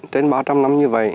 trên ba trăm linh năm như vậy